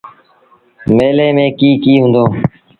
ميلي ميݩ ڪيٚ ڪيٚ هُݩدو۔